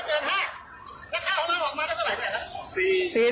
แล้วข้าวเอาละหวานวไปนะเดี๋ยวไหนแมดอะ